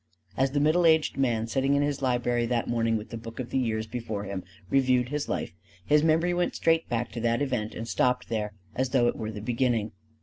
As the middle aged man, sitting in his library that morning with the Book of the Years before him, reviewed his life, his memory went straight back to that event and stopped there as though it were the beginning.